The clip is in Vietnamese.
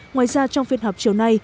ngoài ra trong phiên họp chiều nay